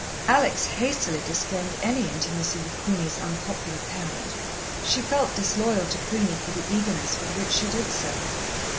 Alex hastily disclaimed any intimacy with Queenie's unpopular parent. She felt disloyal to Queenie for the eagerness with which she did so.